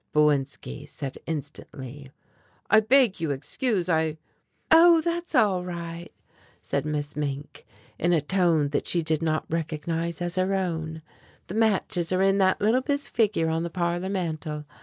Bowinski said instantly. "I beg you excuse, I " "Oh! that's all right," said Miss Mink in a tone that she did not recognize as her own, "the matches are in that little bisque figure on the parlor mantel.